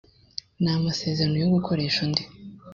n amasezerano yo gukoresha undi